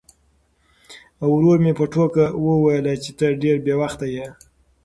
ورور مې په ټوکه وویل چې ته ډېر بې وخته یې.